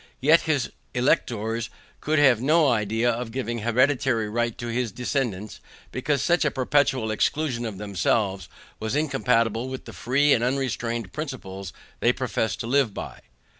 Yet his electors could have no idea of giving hereditary right to his descendants, because such a perpetual exclusion of themselves was incompatible with the free and unrestrained principles they professed to live by.